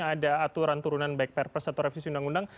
tentunya ada aturan turunan back purpose atau revisi undang undang